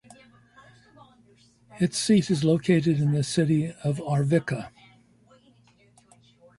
Its seat is located in the city of Arvika.